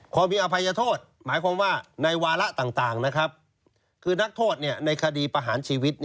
พอมีอภัยโทษหมายความว่าในวาระต่างคือนักโทษในคดีประหารชีวิต